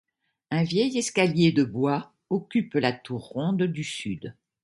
Un vieil escalier de bois occupe la tour ronde du Sud.